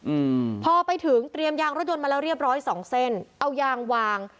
อืมพอไปถึงเตรียมยางรถยนต์มาแล้วเรียบร้อยสองเส้นเอายางวาง